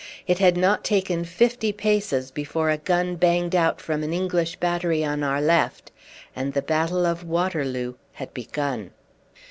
It had not taken fifty paces before a gun banged out from an English battery on our left, and the battle of Waterloo had begun.